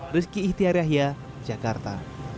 rizky ihtiar yahya jakarta